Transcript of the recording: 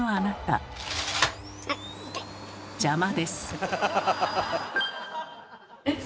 邪魔です。